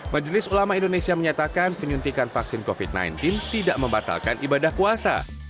majelis ulama indonesia menyatakan penyuntikan vaksin covid sembilan belas tidak membatalkan ibadah puasa